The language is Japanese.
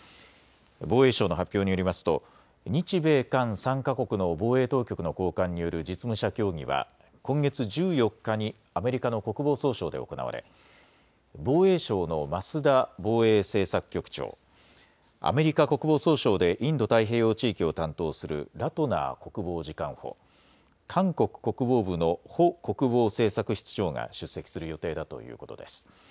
防衛省の発表によりますと日米韓３か国の防衛当局の高官による実務者協議は今月１４日にアメリカの国防総省で行われ防衛省の増田防衛政策局長、アメリカ国防総省でインド太平洋地域を担当するラトナー国防次官補、韓国国防部のホ国防政策室長が出席する予定だということです。